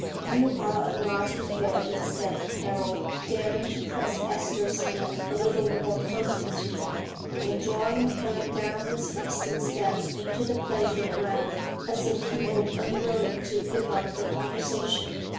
"You are a naughty fairy," said Harold, daring to press Esther's hand a little more closely to him, and drawing her down the eastern steps into the pleasure ground, as if he were unwilling to give up the conversation.